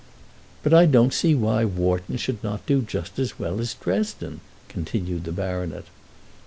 "But I don't see why Wharton should not do just as well as Dresden," continued the baronet.